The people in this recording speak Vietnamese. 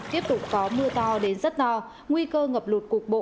tiếp tục có mưa to đến rất no nguy cơ ngập lụt cục bộ